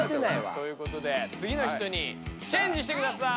ということでつぎの人にチェンジしてください。